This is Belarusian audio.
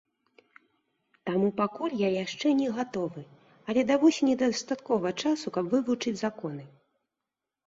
Таму пакуль я яшчэ не гатовы, але да восені дастаткова часу, каб вывучыць законы.